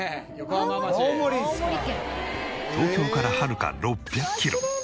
東京からはるか６００キロ。